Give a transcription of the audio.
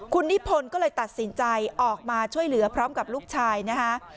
คุณนิพนธ์ก็เลยตัดสินใจออกมาช่วยเหลือพร้อมกับลูกชายนะคะ